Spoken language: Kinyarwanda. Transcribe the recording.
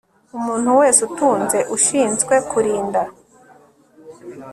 umuntu wese utunze ushinzwe kurinda